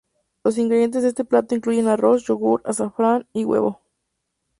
Los ingredientes de este plato incluyen arroz, yogur, azafrán y huevo.